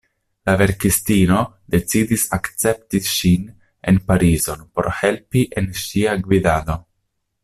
La verkistino decidis akcepti ŝin en Parizon por helpi en ŝia gvidado.